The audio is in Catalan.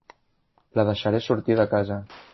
La deixaré sortir de casa.